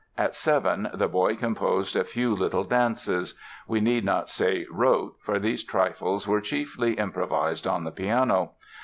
At seven the boy composed a few little dances. We need not say "wrote", for these trifles were chiefly improvised on the piano.